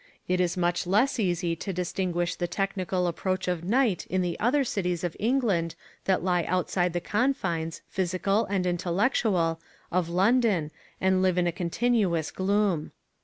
It is much less easy to distinguish the technical approach of night in the other cities of England that lie outside the confines, physical and intellectual, of London and live in a continuous gloom.